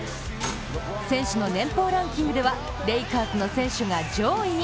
選手の年俸ランキングではレイカーズの選手が上位に。